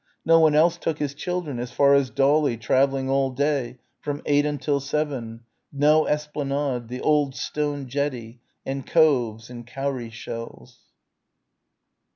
No one else took his children as far as Dawlish for the holidays, travelling all day, from eight until seven ... no esplanade, the old stone jetty and coves and cowrie shells....